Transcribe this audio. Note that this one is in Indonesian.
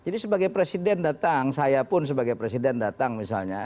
jadi sebagai presiden datang saya pun sebagai presiden datang misalnya